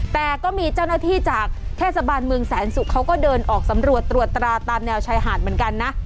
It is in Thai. แต่ก็มีเจ้าหน้าที่จากเทศบาลเมืองแสนสุกเขาก็เดินออกสำรวจตรวจตราตามแนวชายหาดเหมือนกันนะ